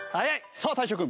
さあ大昇君。